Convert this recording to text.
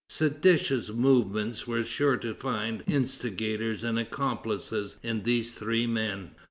Seditious movements were sure to find instigators and accomplices in these three men.